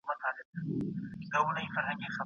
قوماندان و ته د مال د بېرته ورکولو امر وسو.